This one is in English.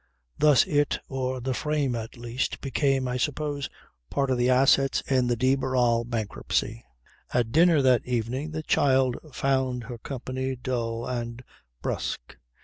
Thus it, or the frame at least, became, I suppose, part of the assets in the de Barral bankruptcy. At dinner that evening the child found her company dull and brusque.